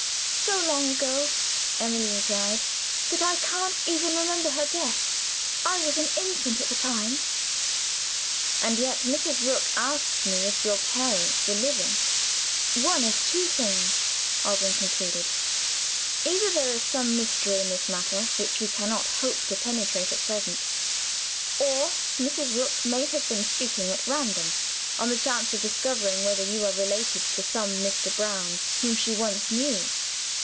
"So long ago," Emily replied, "that I can't even remember her death. I was an infant at the time." "And yet Mrs. Rook asked me if your 'parents' were living! One of two things," Alban concluded. "Either there is some mystery in this matter, which we cannot hope to penetrate at present or Mrs. Rook may have been speaking at random; on the chance of discovering whether you are related to some 'Mr. Brown' whom she once knew."